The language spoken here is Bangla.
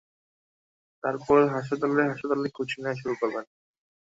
তারপর হাসপাতালে-হাসপাতালে খোঁজ নেয়া শুরু করবেন।